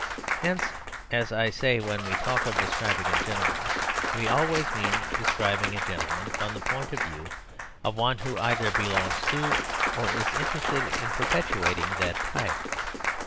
Hence, as I say, when we talk of describing a gentleman, we always mean describing a gentleman from the point of view of one who either belongs to, or is interested in perpetuating, that type.